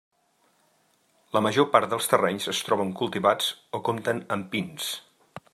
La major part dels terrenys es troben cultivats o compten amb pins.